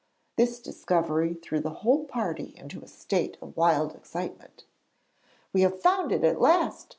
This discovery threw the whole party into a state of wild excitement. 'We have found it at last!'